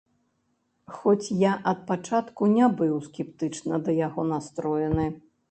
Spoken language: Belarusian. Хоць я ад пачатку не быў скептычна да яго настроены.